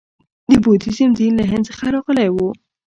د بودیزم دین له هند څخه راغلی و